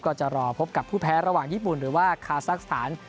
ก็จะรอพบกับผู้แพ้ระหว่างญี่ปุ่นหรือว่าคาซักสถาน